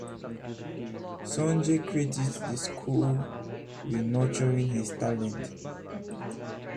Sunjay credits the school with nurturing his talent.